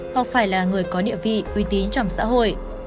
hoặc phải là người có địa vị uy tín trong xã hội